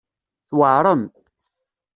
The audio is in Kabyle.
Tweɛrem.